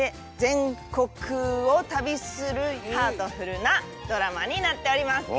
全国を旅するハートフルなドラマになっております。